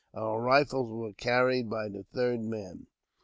Our rifles were carried by the third man.